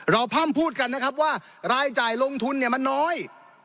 พร่ำพูดกันนะครับว่ารายจ่ายลงทุนเนี่ยมันน้อย